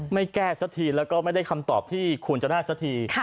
ไม่แก้ซะทีแล้วก็ไม่ได้คำตอบที่คูณจะน่าซะที